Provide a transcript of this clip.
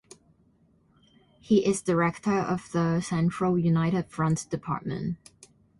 He is Director of the Central United Front Department.